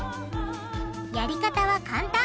やり方は簡単。